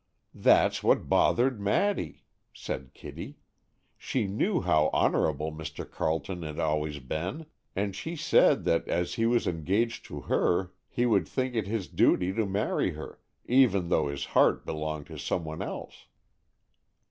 "That's what bothered Maddy," said Kitty; "she knew how honorable Mr. Carleton had always been, and she said that as he was engaged to her, he would think it his duty to marry her, even though his heart belonged to some one else."